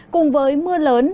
cùng với mưa lớn